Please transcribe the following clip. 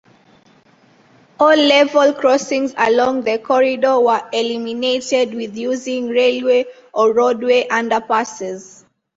All level crossings along the corridor were eliminated with using railway or roadway underpasses.